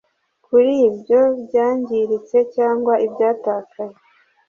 kuri ibyo byangiritse cyangwa ibyatakaye